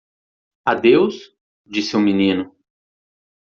"Adeus?" disse o menino.